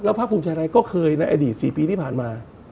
ภาคภูมิใจไทยก็เคยในอดีต๔ปีที่ผ่านมา